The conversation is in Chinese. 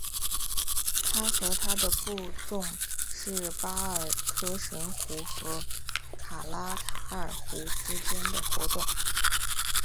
他和他的部众是巴尔喀什湖和卡拉塔尔河之间活动。